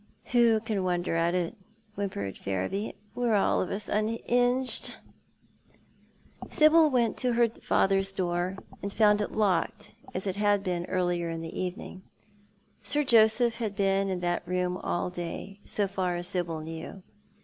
"Who can wonder at it?" whimpered Ferriby, "we're all of us un'inged." *o^ Sibyl went to her father's door, and found it locked as it had been earlier in the evening. Sir Joseph had been in that room all day, so far as Sibyl knew.